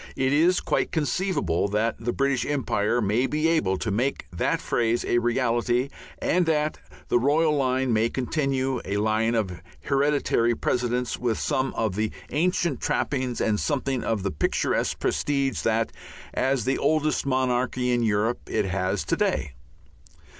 It is quite conceivable that the British Empire may be able to make that phrase a reality and that the royal line may continue, a line of hereditary presidents, with some of the ancient trappings and something of the picturesque prestige that, as the oldest monarchy in Europe, it has to day.